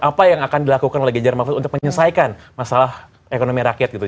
apa yang akan dilakukan oleh ganjar mahfud untuk menyelesaikan masalah ekonomi rakyat gitu